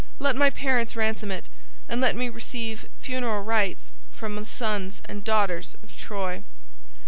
Let my parents ransom it, and let me receive funeral rites from the sons and daughters of Troy."